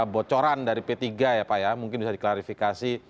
bocoran dari p tiga ya pak ya mungkin bisa diklarifikasi